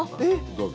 どうぞ。